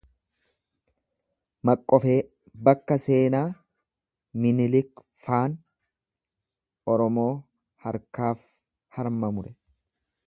Maqqofee bakka seenaa Minilik ffaan Oromoo harkaaf harma mure